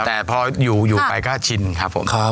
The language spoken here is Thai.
แต่พออยู่ไปก็ชินครับผม